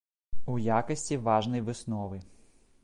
У якасці важнай высновы.